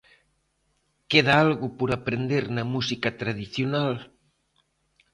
Queda algo por aprender na música tradicional?